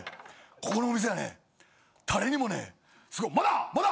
ここのお店はねタレにもねすごいまだまだ！